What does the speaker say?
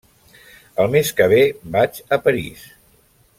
El mes que ve vaig a París.